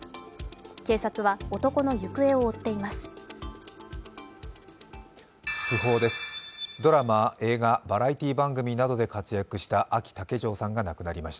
警察は男の行方を追っています。